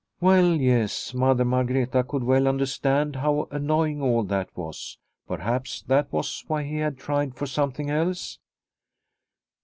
Well yes, Mother Margreta could well under stand how annoying all that was. Perhaps that was why he had tried for something else?